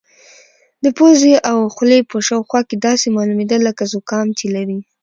د پوزې او خولې په شاوخوا کې داسې معلومېده لکه زکام چې لري.